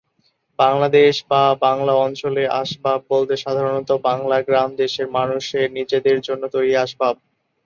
বাংলাদেশ বা বাংলা অঞ্চলে আসবাব বলতে সাধারণত বাংলার গ্রাম দেশের মানুষের নিজেদের জন্য তৈরি আসবাব।